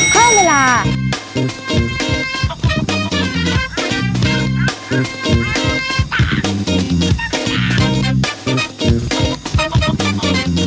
ข้าวเวลา